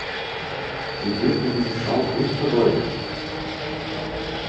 Wir dürfen diese Chance nicht vergeuden.